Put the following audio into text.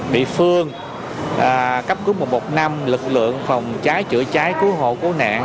địa phương cấp cứu một trăm một mươi năm lực lượng phòng trái chữa trái cứu hộ cố nạn